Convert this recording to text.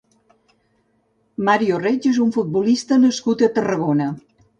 Mario Reig és un futbolista nascut a Tarragona.